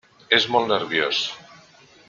És molt nerviós.